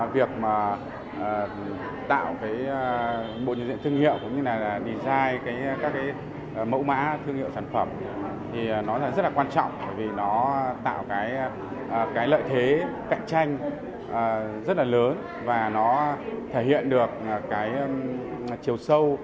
việc tạo bộ nhận diện thương hiệu cũng như là design các mẫu mã thương hiệu sản phẩm thì nó rất là quan trọng bởi vì nó tạo lợi thế cạnh tranh rất là lớn và nó thể hiện được chiều sâu